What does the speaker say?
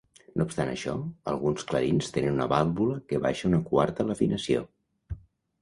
No obstant això, alguns clarins tenen una vàlvula que baixa una quarta l'afinació.